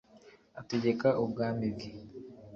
ategeka ubwami bwe.